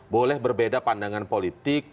boleh berbeda pandangan politik